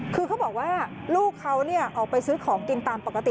คือเขาบอกว่าลูกเขาออกไปซื้อของกินตามปกติ